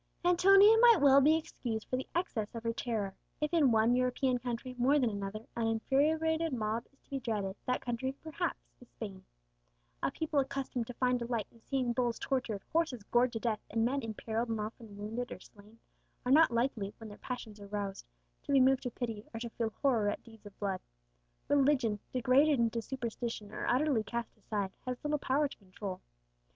Antonia might well be excused for the excess of her terror. If in one European country more than another an infuriated mob is to be dreaded, that country, perhaps, is Spain. A people accustomed to find delight in seeing bulls tortured, horses gored to death, and men imperilled and often wounded or slain, are not likely, when their passions are roused, to be moved to pity, or to feel horror at deeds of blood. Religion, degraded into superstition or utterly cast aside, has little power to control.